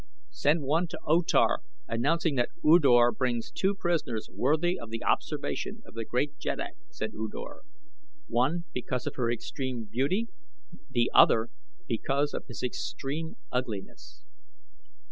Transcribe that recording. "Send one to O Tar announcing that U Dor brings two prisoners worthy of the observation of the great jeddak," said U Dor; "one because of her extreme beauty, the other because of his extreme ugliness."